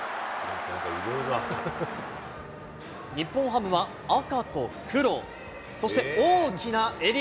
日本ハムは、赤と黒、そして大きな襟。